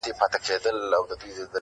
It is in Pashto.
ځکه نه خېژي په تله برابر د جهان یاره -